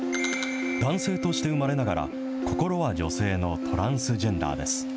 男性として生まれながら、心は女性のトランスジェンダーです。